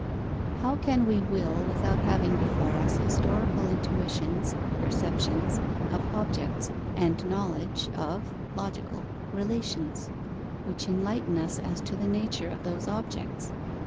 How can we will, without having before us historical intuitions (perceptions) of objects, and knowledge of (logical) relations, which enlighten us as to the nature of those objects?